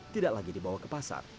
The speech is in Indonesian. tidak lagi dibawa ke pasar